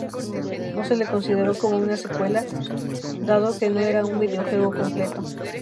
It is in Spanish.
No se le consideró como una secuela, dado que no era un videojuego completo.